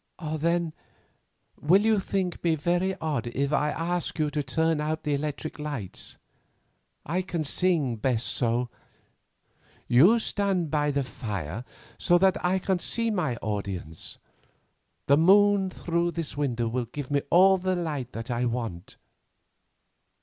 "Then, will you think me very odd if I ask you to turn out the electric lamps? I can sing best so. You stand by the fire, so that I can see my audience; the moon through this window will give me all the light I want."